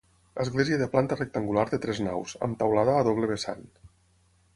Església de planta rectangular de tres naus, amb teulada a doble vessant.